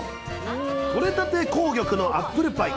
とれたて紅玉のアップルパイ。